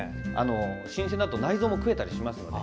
新鮮だと内臓も食えたりしますので。